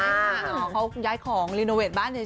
เขาย้ายของรีโนเวทบ้านเฉย